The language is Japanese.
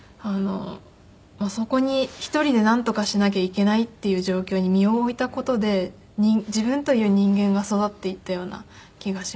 そこに１人でなんとかしなきゃいけないっていう状況に身を置いた事で自分という人間が育っていったような気がします。